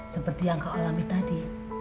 seperti yang kau alami tadi